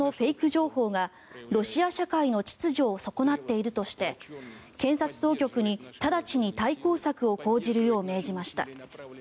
情報がロシア社会の秩序を損なっているとして検察当局に直ちに対抗策を講じるよう命じました。